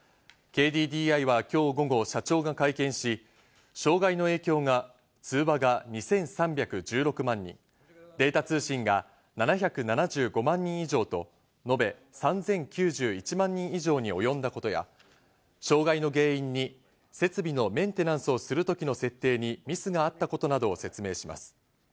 ＫＤＤＩは今日午後、社長が会見し、障害の影響が通話が２３１６万人、データ通信が７７５万人以上と、延べ３０９１万人以上に及んだことや、障害の原因に設備のメンテナンスをする時の設定にミスがあったことなどを説明します。